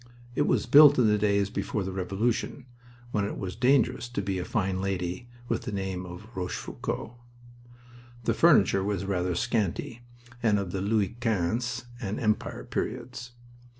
It was built in the days before the Revolution, when it was dangerous to be a fine lady with the name of Rochefoucauld. The furniture was rather scanty, and was of the Louis Quinze and Empire periods.